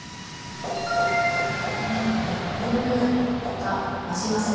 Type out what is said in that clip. ボリュームが増しますね